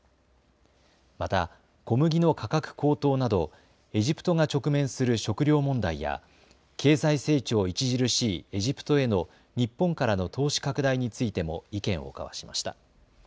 また小麦の価格高騰などエジプトが直面する食料問題や経済成長著しいエジプトへの日本からの投資拡大についても意見を交わしました。